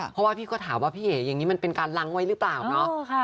เพราะว่าพี่ก็ถามว่าพี่เอ๋อย่างนี้มันเป็นการล้างไว้หรือเปล่าเนาะ